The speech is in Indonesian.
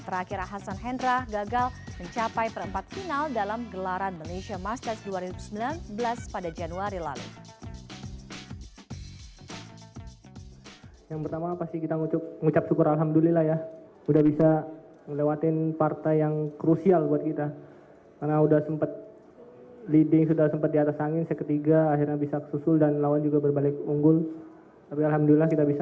terakhir asan hendra gagal mencapai perempat final dalam gelaran malaysia masters dua ribu sembilan belas pada januari lalu